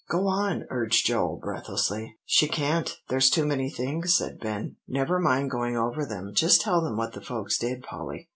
"Go on," urged Joel breathlessly. "She can't there's too many things," said Ben. "Never mind going over them; just tell what the folks did, Polly."